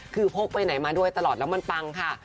คือพกไปไหนมาด้วยตลอดแล้วมันปังค่ะ